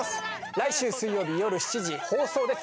来週水曜日よる７時放送です。